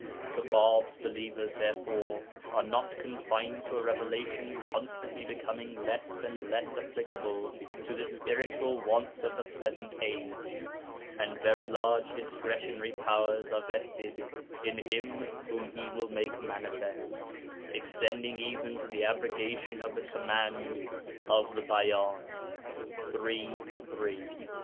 The Bāb's believers therefore are not confined to a revelation constantly becoming less and less applicable to the spiritual wants of the present age. And very large discretionary powers are vested in 'Him whom He will make manifest,' extending even to the abrogation of the commands of the Bayan (iii. 3).